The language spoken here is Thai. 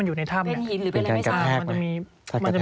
สวัสดีค่ะที่จอมฝันครับ